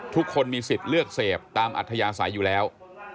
ทุกคนมีสิทธิ์เลือกเสพตามอัธยาศัยอยู่แล้ว